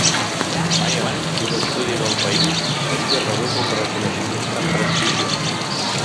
Mai abans, un estudi del país havia rebut un reconeixement tan prestigiós.